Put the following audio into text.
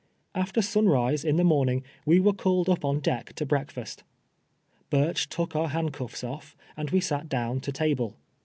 After sunrise in the morning we were called up ou deck to breakfast. Burch took our hand cuffs off, and we sat down to table.